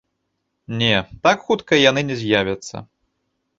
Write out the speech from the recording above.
Не, так хутка яны не з'явяцца.